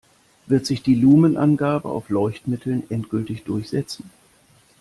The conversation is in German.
Wird sich die Lumen-Angabe auf Leuchtmitteln endgültig durchsetzen?